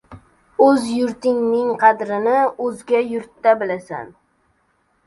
• O‘z yurtingning qadrini o‘zga yurtda bilasan.